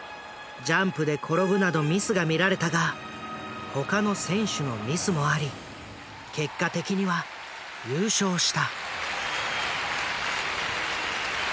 ジャンプで転ぶなどミスが見られたが他の選手のミスもあり結果的には優勝した。